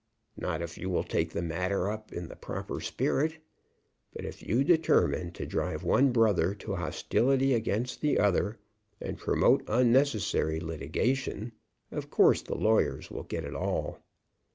"Not if you will take the matter up in the proper spirit. But if you determine to drive one brother to hostility against the other, and promote unnecessary litigation, of course the lawyers will get it all."